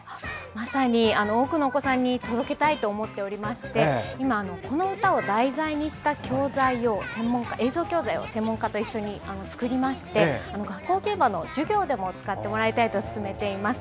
まさに多くのお子さんに届けたいと思っておりまして今、この歌を題材にした映像教材を専門家と一緒に作りまして学校現場の授業でも使っていただこうと進めているんです。